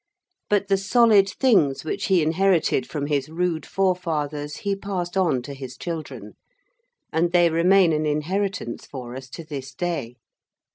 But the solid things which he inherited from his rude forefathers he passed on to his children. And they remain an inheritance for us to this day.